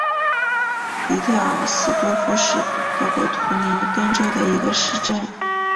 迪特尔斯多夫是德国图林根州的一个市镇。